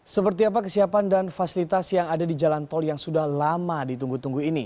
seperti apa kesiapan dan fasilitas yang ada di jalan tol yang sudah lama ditunggu tunggu ini